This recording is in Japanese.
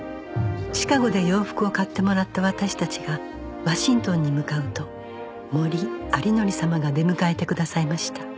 シカゴで洋服を買ってもらった私たちがワシントンに向かうと森有礼様が出迎えてくださいました